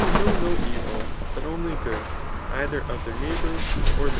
h*ow no enril, but only good, either of th^ir i^oighbo^ 4ir.